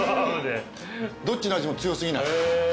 どっちの味も強過ぎない。